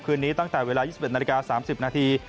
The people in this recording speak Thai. คืนนี้ตั้งแต่เวลา๒๑นาฬิกา๓๐นาที